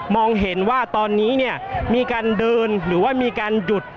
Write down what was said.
เห็นว่าตอนนี้เนี่ยมีการเดินหรือว่ามีการหยุด